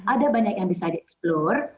ada banyak yang bisa di explore